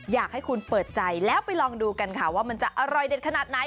อยากให้คุณเปิดใจแล้วไปลองดูกันค่ะว่ามันจะอร่อยเด็ดขนาดไหน